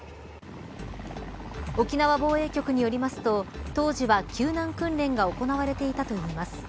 沖縄防衛局によりますと当時は、救難訓練が行われていたといいます。